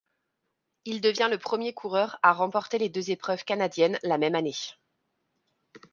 Il devient le premier coureur à remporter les deux épreuves canadiennes la même année.